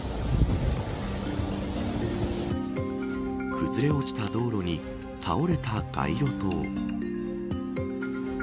崩れ落ちた道路に倒れた街路灯。